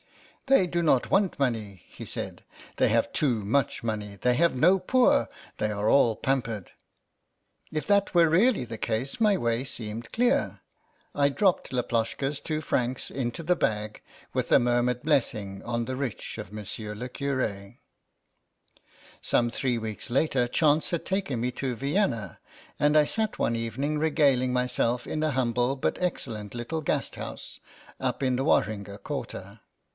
" They do not want money," he said ;" they have too much money. They have no poor. They are all pampered." If that were really the case my way seemed clear. I dropped Laploshka's two francs into the bag with a murmured blessing on the rich of Monsieur le Curd Some three weeks later chance had taken me to Vienna, and I sat one evening regaling myself in a humble but excellent little Gasthaus up in the Wahringer quarter.